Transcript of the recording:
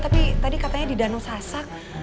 tapi tadi katanya di danau sasak